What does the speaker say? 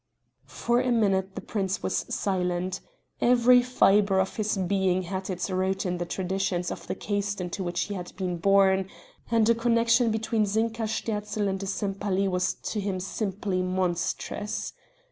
For a minute the prince was silent. Every fibre of his being had its root in the traditions of the caste into which he had been born, and a connection between Zinka Sterzl and a Sempaly was to him simply monstrous.